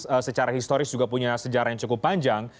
yang secara historis juga punya sejarah yang cukup panjang